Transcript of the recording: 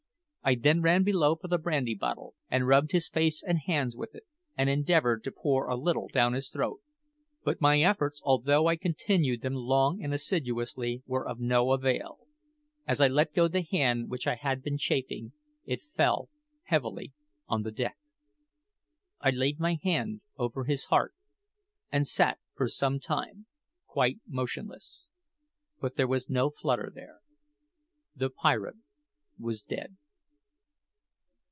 I then ran below for the brandy bottle, and rubbed his face and hands with it, and endeavoured to pour a little down his throat. But my efforts, although I continued them long and assiduously, were of no avail; as I let go the hand which I had been chafing, it fell heavily on the deck. I laid my hand over his heart, and sat for some time quite motionless; but there was no flutter there the pirate was dead!